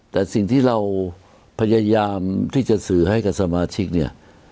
แต่สิ่งที่เราพยายามที่จะสื่อให้กับสมาชิกเนี่ย